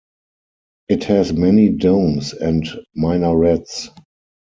It has many domes and minarets.